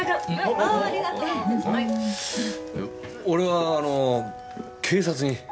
俺はあの警察に。